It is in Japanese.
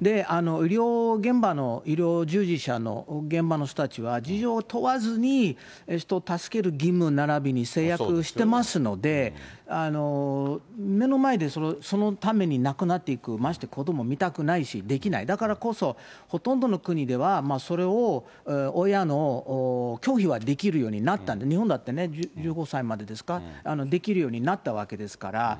医療現場の、医療従事者の現場の人たちは、事情を問わずに、人を助ける義務ならびに誓約してますので、目の前でそのために亡くなっていく、まして子ども見たくないし、できない、だからこそ、ほとんどの国ではそれを親の拒否はできるようになった、日本だって、１５歳までですか、できるようになったわけですから。